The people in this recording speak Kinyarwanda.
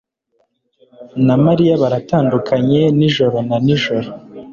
na Mariya baratandukanye nijoro na nijoro.